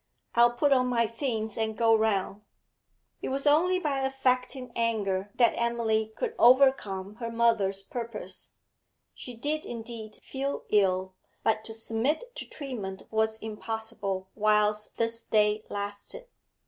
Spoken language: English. I'll put on my things and go round.' It was only by affecting anger that Emily could overcome her mother's purpose. She did indeed feel ill, but to submit to treatment was impossible whilst this day lasted.